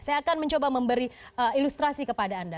saya akan mencoba memberi ilustrasi kepada anda